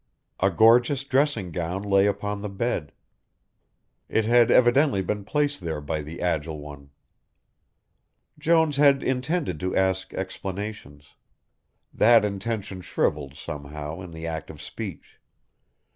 A gorgeous dressing gown lay upon the bed. It had evidently been placed there by the agile one. Jones had intended to ask explanations. That intention shrivelled, somehow, in the act of speech.